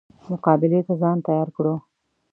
مقابلې ته ځان تیار کړو.